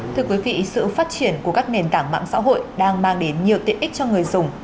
thưa quý vị sự phát triển của các nền tảng mạng xã hội đang mang đến nhiều tiện ích cho người dùng